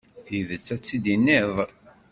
Tidet, ad tt-id-tiniḍ.